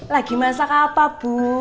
lagi masakan apa bu